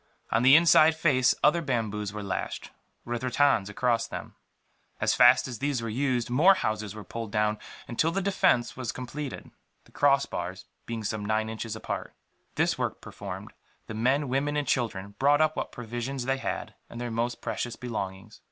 On the inside face other bamboos were lashed, with rattans across them. As fast as these were used, more houses were pulled down, until the defence was completed, the crossbars being some nine inches apart. This work performed, the men, women and children brought up what provisions they had, and their most precious belongings.